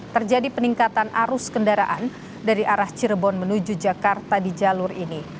terjadi peningkatan arus kendaraan dari arah cirebon menuju jakarta di jalur ini